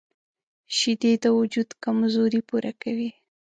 شیدې د وجود کمزوري پوره کوي